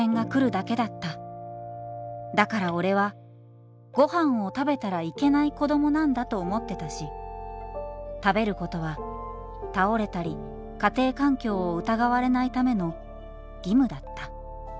だから俺はごはんを食べたらいけない子どもなんだと思ってたし食べることは倒れたり家庭環境を疑われないための義務だった。